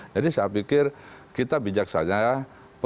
jadi saya pikir kita bijaksana ya